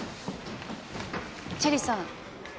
チェリーさん